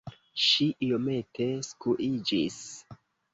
Ŝi iomete skuiĝis.